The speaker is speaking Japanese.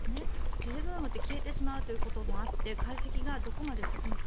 テレグラムって消えてしまうということもあって解析がどこまで進むか。